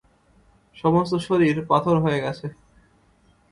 সমস্ত শরীর পাথর হয়ে গেছে।